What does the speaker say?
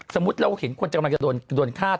สมมุติเราเห็นคนกำลังจะโดนฆ่า